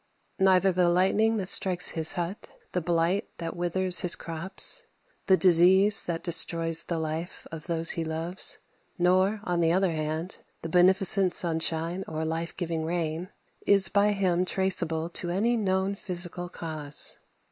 Neither the lightning that strikes his hut, the blight that withers his crops, the disease that destroys the life of those he loves; nor, on the other hand, the beneficent sunshine or life giving rain, is by him traceable to any known physical cause.